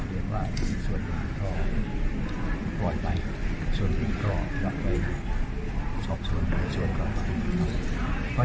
เรียกว่าส่วนอื่นก็ก่อนไปส่วนอื่นก็นับไปสอบส่วนส่วนก่อนไป